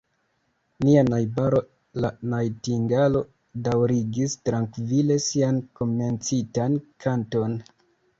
Nia najbaro la najtingalo daŭrigis trankvile sian komencitan kanton.